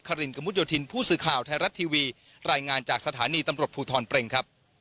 รินกระมุดโยธินผู้สื่อข่าวไทยรัฐทีวีรายงานจากสถานีตำรวจภูทรเปรงครับ